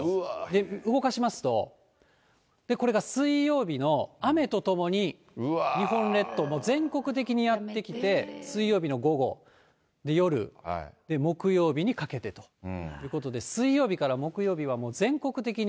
で、動かしますと、これが水曜日の雨とともに日本列島、全国的にやって来て、水曜日の午後、夜、木曜日にかけてということで、水曜日から木曜日はもう全国的に。